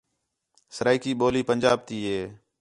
سرائیکی ٻولی پنجاب تی ہے